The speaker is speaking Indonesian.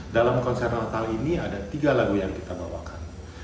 dalam konser natal ini ada tiga lagu yang kita bawakan